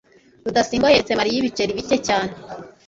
rudasingwa yeretse mariya ibiceri bike cyane